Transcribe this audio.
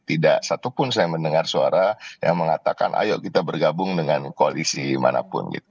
tidak satupun saya mendengar suara yang mengatakan ayo kita bergabung dengan koalisi manapun gitu